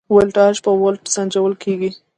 ولتاژ په ولټ سنجول کېږي.